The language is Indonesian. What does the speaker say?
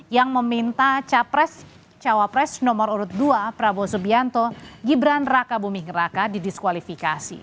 yang meminta capres cawapres nomor urut dua prabowo subianto gibran raka buming raka didiskualifikasi